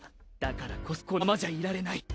だからこそこのままじゃいられない。